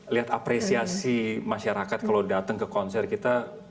lihat apresiasi masyarakat kalau datang ke konser kita